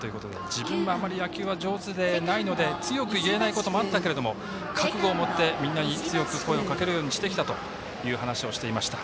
自分は野球があまり上手でないので強く言えないことあったけど覚悟を持って、みんなに強く声をかけるようにしてきたという話をしていました。